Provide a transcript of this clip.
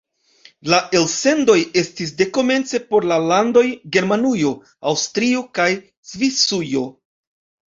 La elsendoj estis dekomence por la landoj Germanujo, Aŭstrio kaj Svisujo.